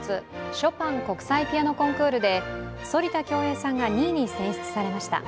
ショパン国際ピアノ・コンクールで反田恭平さんが２位に選出されました。